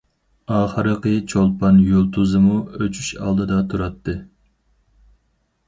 ئاخىرقى چولپان يۇلتۇزىمۇ ئۆچۈش ئالدىدا تۇراتتى.